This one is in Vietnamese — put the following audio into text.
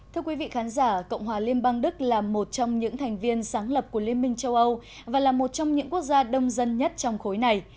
thưa quý vị khán giả cộng hòa liên bang đức là một trong những thành viên sáng lập của liên minh châu âu và là một trong những quốc gia đông dân nhất trong khối này